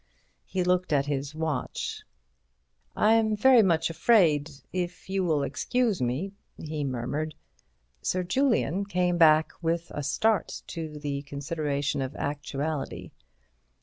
He looked at his watch. "I am very much afraid—if you will excuse me—" he murmured. Sir Julian came back with a start to the consideration of actuality.